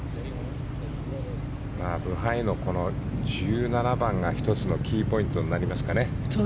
ブハイの１７番が１つのキーポイントになりますかね。